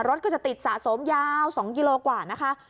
รถก็จะติดสะสมยาว๒กิโลกว่านะคะ